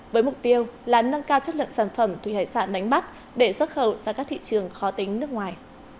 với mục tiêu là nâng cao chất lượng sản phẩm thủy hải sản đánh bắt để xuất khẩu sang các thị trường khó tính nước ngoài